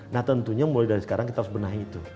nah tentunya mulai dari sekarang kita harus benahi itu